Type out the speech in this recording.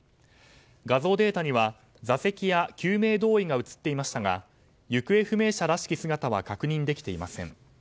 画像データには座席や救命胴衣が写っていましたが行方不明者らしき姿は確認できていません。